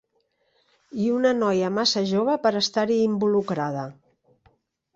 I una noia massa jove per estar-hi involucrada!